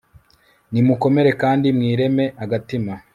nimukomere kandi mwireme agatima